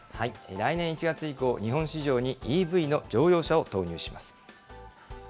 来年１月以降、日本市場にＥＶの乗用車を投入します。